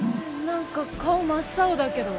何か顔真っ青だけど。